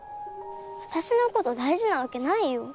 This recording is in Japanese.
私のこと大事なわけないよ。